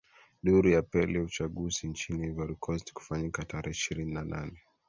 duru ya peli ya uchaguzi nchini ivory coast kufanyika tarehe ishirini na nane